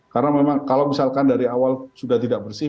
karena memang kalau misalkan dari awal sudah tidak bersih